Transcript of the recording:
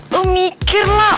lo mikir lah